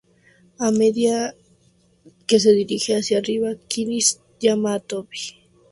A medida que se dirigen hacia arriba, Kristi llama a Toby.